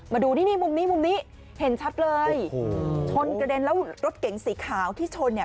มาดูนี่มุมนี้เห็นชัดเลยโอ้โหชนกระเด็นแล้วรถเก๋งสีขาวที่ชนเนี่ย